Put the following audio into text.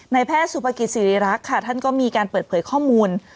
แพทย์สุภกิจศิริรักษ์ค่ะท่านก็มีการเปิดเผยข้อมูล